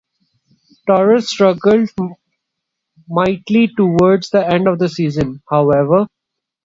Torres struggled mightily towards the end of the season, however.